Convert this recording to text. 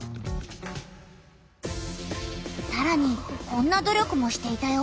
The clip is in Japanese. さらにこんな努力もしていたよ。